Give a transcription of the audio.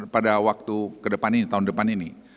pada waktu ke depan ini tahun depan ini